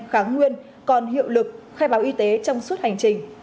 kháng nguyên còn hiệu lực khai báo y tế trong suốt hành trình